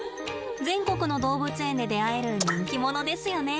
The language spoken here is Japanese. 全国の動物園で出会える人気者ですよね。